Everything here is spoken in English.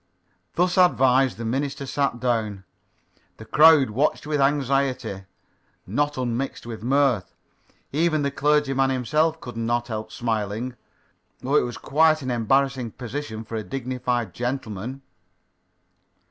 Thus advised, the minister sat down. The crowd watched with anxiety, not unmixed with mirth. Even the clergyman himself could not help smiling, though it was quite an embarrassing position for a dignified gentleman.